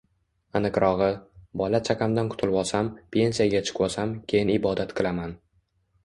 Aniqrog‘i, “Bola- chaqamdan qutulvosam, pensiyaga chiqvosam, keyin ibodat qilaman”